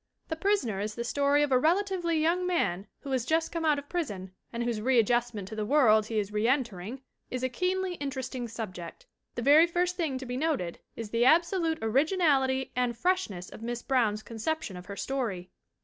The Prisoner is the story of a relatively young man who has just come out of prison and whose readjust ment to the world he is reentering is a keenly inter esting subject. The very first thing to be noted is the absolute originality and freshness of Miss Brown's conception of her story.